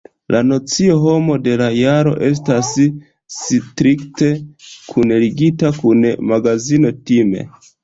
La nocio Homo de la Jaro estas strikte kunligita kun magazino Time.